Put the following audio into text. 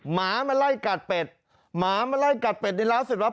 หมามาไล่กัดเป็ดหมามาไล่กัดเป็ดในร้านเสร็จปั๊บ